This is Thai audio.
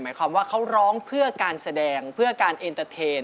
หมายความว่าเขาร้องเพื่อการแสดงเพื่อการสนุก